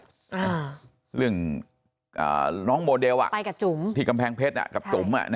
อ่าเรื่องอ่าน้องโมเดลอ่ะไปกับจุ๋มที่กำแพงเพชรอ่ะกับจุ๋มอ่ะนะ